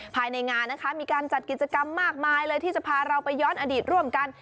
ภายในงานนะคะมีการจัดกิจกรรมมากมายเลยที่จะพาเราไปย้อนอดีตร่วมกัน